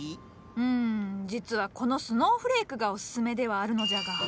うん実はこの「スノーフレーク」がオススメではあるのじゃが。